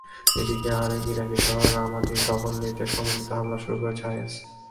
এদিকে আরেক ইরাকি শহর রামাদির দখল নিতে সমন্বিত হামলা শুরু করেছে আইএস।